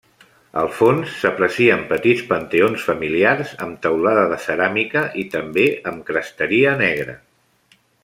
Al fons, s'aprecien petits panteons familiars, amb teulada de ceràmica i també amb cresteria negra.